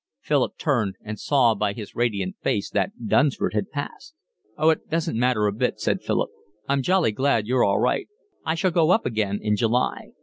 Philip turned and saw by his radiant face that Dunsford had passed. "Oh, it doesn't matter a bit," said Philip. "I'm jolly glad you're all right. I shall go up again in July."